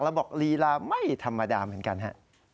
แล้วบอกลีลาไม่ธรรมดาเหมือนกันฮะ